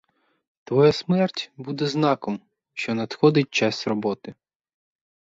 Твоя смерть буде знаком, що надходить час роботи.